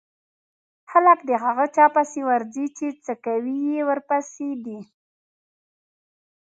خلک د هغه چا پسې ورځي چې څکوی يې ورپسې دی.